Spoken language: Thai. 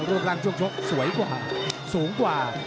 รูปร่างช่วงชกสวยกว่าสูงกว่า